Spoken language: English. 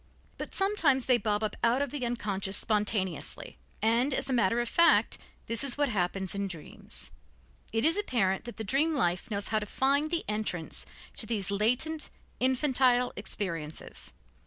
But sometimes they bob up out of the unconscious spontaneously, and, as a matter of fact, this is what happens in dreams. It is apparent that the dream life knows how to find the entrance to these latent, infantile experiences.